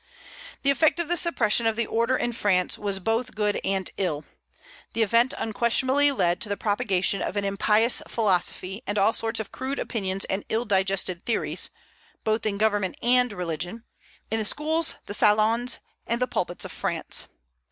The effect of the suppression of the order in France was both good and ill. The event unquestionably led to the propagation of an impious philosophy and all sorts of crude opinions and ill digested theories, both in government and religion, in the schools, the salons, and the pulpits of France.